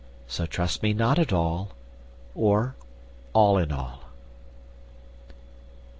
So trust me not at all or all in all.